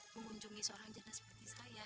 mengunjungi seorang jenis perempuan yang tidak ramah